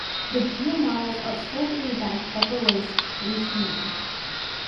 The Geo models outsold the rebadged Chevrolets three to one.